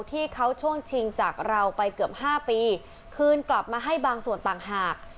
ช่วงชิงจากเราไปเกือบ๕ปีคืนกลับมาให้บางส่วนต่างหาก